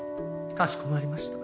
かしこまりました。